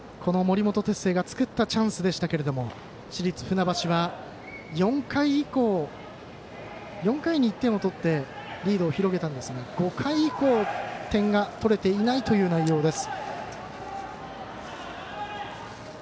森本哲星が作ったチャンスでしたが市立船橋は４回に１点を取ってリードを広げたんですが５回以降点が取れていないという内容です。